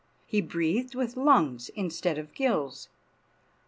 He breathed with lungs instead of gills.